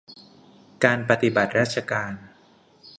การปฏิบัติราชการ